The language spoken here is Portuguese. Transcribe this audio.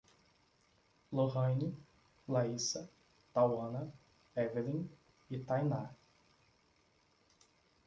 Lorane, Laíssa, Tauana, Evelim e Tainar